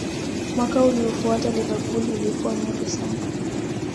mwaka uliofuata Liverpool ilikuwa moto sana